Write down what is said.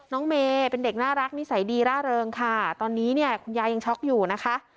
น้องเมย์เป็นเด็กน่ารักนิสัยดีร่าเริงค่ะตอนนี้เนี่ยคุณยายยังช็อกอยู่นะคะ